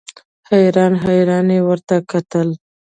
حیران حیران یې ورته کتل.